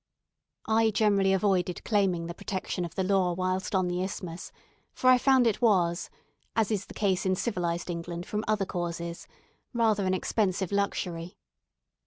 I generally avoided claiming the protection of the law whilst on the Isthmus, for I found it was as is the case in civilized England from other causes rather an expensive luxury.